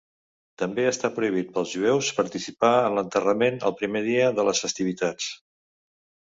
També està prohibit pels jueus participar en l'enterrament el primer dia de les festivitats.